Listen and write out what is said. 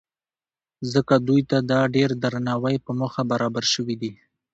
ځکه دوی ته د ډېر درناوۍ په موخه برابر شوي دي.